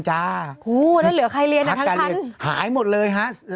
หายหมดเลยฮะ๔๕๖